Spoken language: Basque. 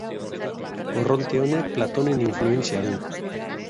Korronte honek Platonen influentzia du.